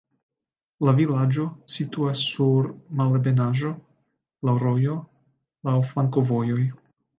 La vilaĝo situas sur malebenaĵo, laŭ rojo, laŭ flankovojoj.